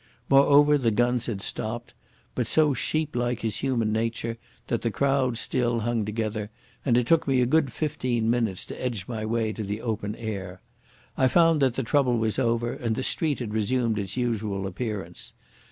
Moreover the guns had stopped, but so sheeplike is human nature that the crowd still hung together, and it took me a good fifteen minutes to edge my way to the open air. I found that the trouble was over, and the street had resumed its usual appearance.